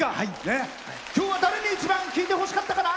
きょうは誰に一番聴いてほしかったかな？